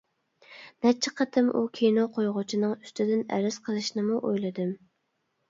نەچچە قېتىم ئۇ كىنو قويغۇچىنىڭ ئۇستىدىن ئەرز قىلىشنىمۇ ئويلىدىم.